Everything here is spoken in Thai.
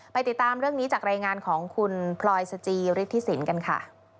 ติดตามเรื่องนี้จากรายงานของคุณพลอยสจิฤทธิสินกันค่ะ